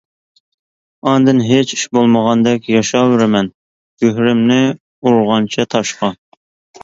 ئاندىن ھېچ ئىش بولمىغاندەك ياشاۋېرىمەن گۆھىرىمنى ئۇرغانچە تاشقا.